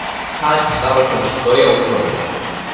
სამეფოს წარმოშობის ისტორია უცნობია.